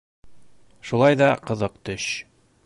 Шулай ҙа ҡыҙыҡ төш.